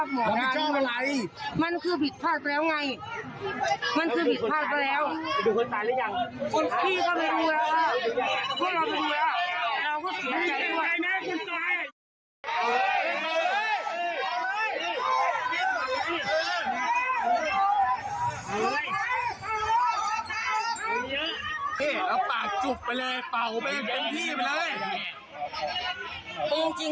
ก็จริงก็เปล่าเขายังรักกับเมากันจริง